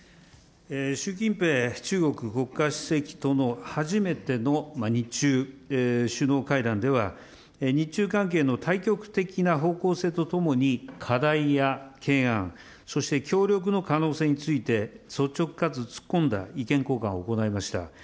習近平中国国家主席との初めての日中首脳会談では、日中関係の大局的な方向性とともに、課題や懸案、そして協力の可能性について、率直かつ突っ込んだ意見交換を行いました。